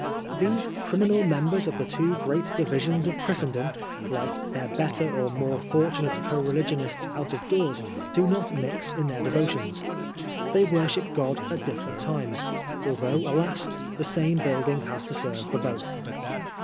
These criminal members of the two great divisions of Christendom, like their better or more for tunate co religionists out of doors, do not mix in their devotions. They worship Ood at different times, al though, alas ! the same building has to serve for both.